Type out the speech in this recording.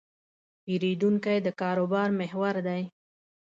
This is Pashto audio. پیرودونکی د کاروبار محور دی.